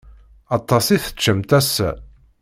Aṭas i teččamt ass-a.